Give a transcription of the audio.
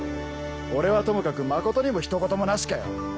俺はともかく真琴にもひと言もなしかよ。